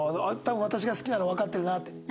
多分私が好きなのわかってるなって。